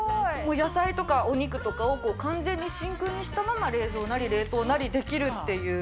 野菜とかお肉とかを完全に真空にしたまま、冷蔵なり冷凍なりできるっていう。